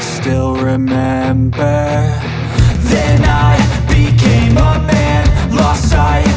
sebentar ya mas